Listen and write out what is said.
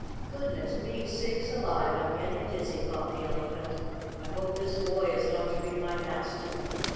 "Goodness me, sakes alive! I'm getting dizzy," thought the Elephant. "I hope this boy is not to be my master!"